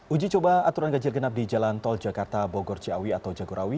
uji coba aturan ganjil genap di jalan tol jakarta bogor ciawi atau jagorawi